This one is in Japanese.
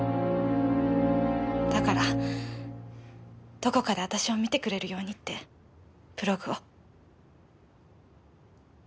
だからどこかで私を見てくれるようにってブログを。